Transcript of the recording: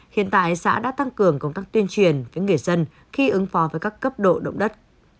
hiện tại xã đã tăng cường công tác tuyên truyền với người dân khi ứng phó với các cấp độ động đất